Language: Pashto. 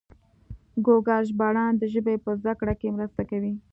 ګوګل ژباړن د ژبې په زده کړه کې مرسته کوي.